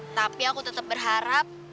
tapi aku tetap berharap